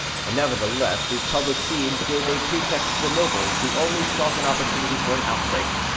Nevertheless, these public scenes gave a pretext to the nobles, who only sought an opportunity for an outbreak.